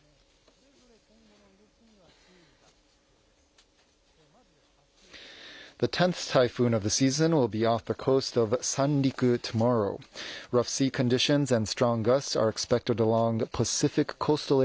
それぞれ今後の動きには注意が必要です。